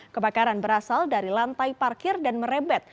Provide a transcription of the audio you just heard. kebakaran berasal dari lantai parkir dan merebet